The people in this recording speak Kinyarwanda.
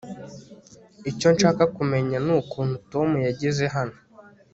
icyo nshaka kumenya nukuntu tom yageze hano